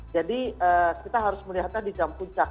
jadi kita harus melihatnya di jam puncak